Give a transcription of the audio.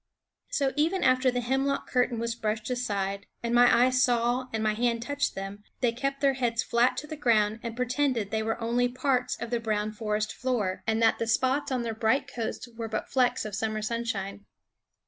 So even after the hemlock curtain was brushed aside, and my eyes saw and my hand touched them, they kept their heads flat to the ground and pretended that they were only parts of the brown forest floor, and that the spots on their bright coats were but flecks of summer sunshine.